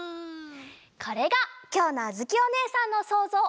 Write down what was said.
これがきょうのあづきおねえさんのそうぞう。